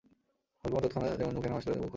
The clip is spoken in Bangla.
হরকুমার তৎক্ষণাৎ যেমন মুখে আসিল নাম করিয়া দিলেন।